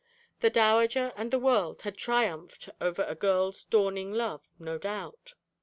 The dowager and the world had triumphed over a girl's dawning love, no doubt.